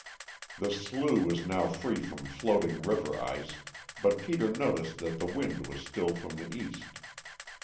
The slough was now free from floating river ice, but Peter noticed that the wind was still from the east.